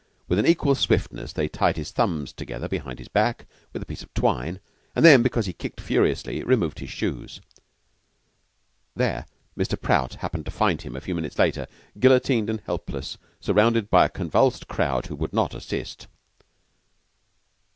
With an equal swiftness they tied his thumbs together behind his back with a piece of twine, and then, because he kicked furiously, removed his shoes. There Mr. Prout happened to find him a few minutes later, guillotined and helpless, surrounded by a convulsed crowd who would not assist.